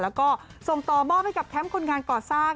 แล้วก็ส่งต่อมอบให้กับแคมป์คนงานก่อสร้าง